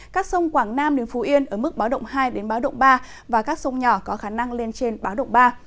các sông quảng nam đến phú yên ở mức báo động hai đến báo động ba và các sông nhỏ có khả năng lên trên báo động ba